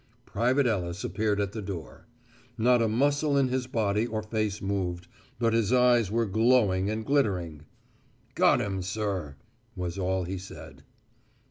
Private Ellis appeared at the door. Not a muscle in his body or face moved, but his eyes were glowing and glittering. "Got him, sir," was all he said.